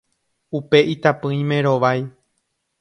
upe itapỹimi rovái